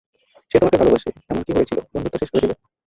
সে তোমাকে ভালবাসে, এমন কি হয়েছিলো, বন্ধুত্ব শেষ করে দিলে?